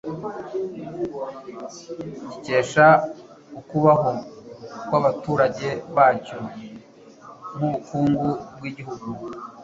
gikesha ukubaho kw'Abaturage bacyo nk'ubukungu bw'igihugu.